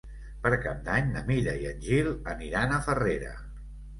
Per Cap d'Any na Mira i en Gil aniran a Farrera.